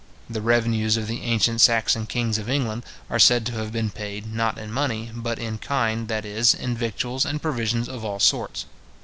The revenues of the ancient Saxon kings of England are said to have been paid, not in money, but in kind, that is, in victuals and provisions of all sorts.